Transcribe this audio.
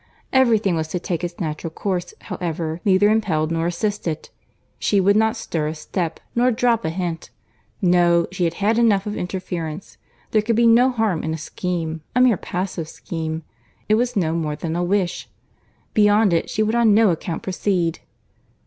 Every thing was to take its natural course, however, neither impelled nor assisted. She would not stir a step, nor drop a hint. No, she had had enough of interference. There could be no harm in a scheme, a mere passive scheme. It was no more than a wish. Beyond it she would on no account proceed.